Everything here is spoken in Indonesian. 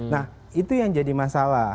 nah itu yang jadi masalah